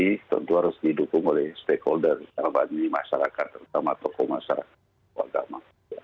jadi tentu harus didukung oleh stakeholder masyarakat tokoh masyarakat tokoh agama